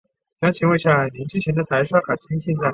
长苞紫茎为山茶科紫茎属下的一个种。